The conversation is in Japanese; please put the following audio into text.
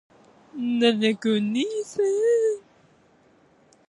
『孟子』「万章・下」より。官職に就かない民間人。在野の人。「草莽」は草むら・田舎。転じて在野・民間をいう。